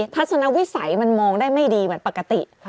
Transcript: ทัศนวิสัยมันมองได้ไม่ดีเหมือนปกติ